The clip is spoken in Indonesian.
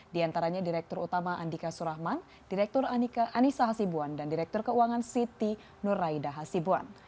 diantaranya direktur utama andika surahman direktur anika anissa hasibuan dan direktur keuangan siti nur raida hasibuan